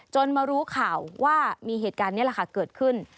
จนมารู้ข่าวว่ามีเหตุการณ์นี้เกิดขึ้น